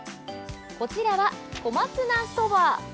こちらは小松菜そば。